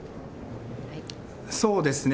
そうですね。